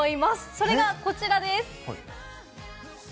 それがこちらです。